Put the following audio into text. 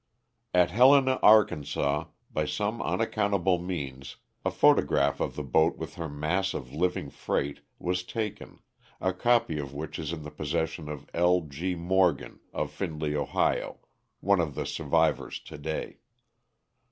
At Helena, Ark., by some unaccountable means a pho tograph of the boat with her mass of living freight was taken, a copy of which is in possession of L. G. Mor gan of Findlay, Ohio, one of the survivors today.